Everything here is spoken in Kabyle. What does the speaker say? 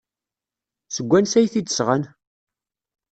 Seg wansi ay t-id-sɣan?